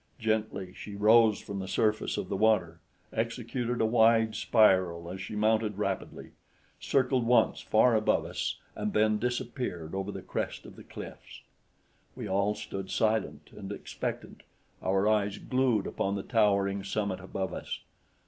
Gently she rose from the surface of the water, executed a wide spiral as she mounted rapidly, circled once far above us and then disappeared over the crest of the cliffs. We all stood silent and expectant, our eyes glued upon the towering summit above us.